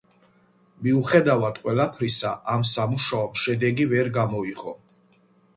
მიუხედავად ყველაფრისა ამ სამუშაომ შედეგი ვერ გამოიღო.